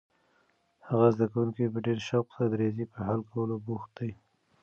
هغه زده کوونکی په ډېر شوق سره د ریاضي په حل کولو بوخت دی.